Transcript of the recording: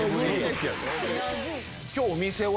今日お店は？